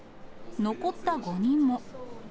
残った５人も。